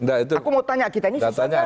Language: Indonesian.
aku mau tanya kita ini susah